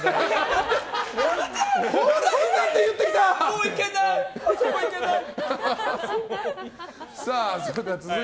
もう行けない！